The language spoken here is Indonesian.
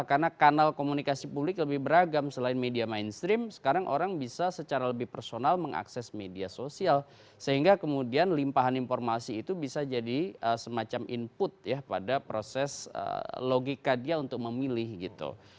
karena komunikasi publik lebih beragam selain media mainstream sekarang orang bisa secara lebih personal mengakses media sosial sehingga kemudian limpahan informasi itu bisa jadi semacam input ya pada proses logika dia untuk memilih gitu